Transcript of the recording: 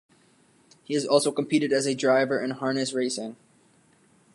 He has also competed as a driver in harness racing.